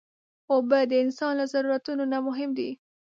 اوبه د انسان له ضرورتونو نه مهم دي.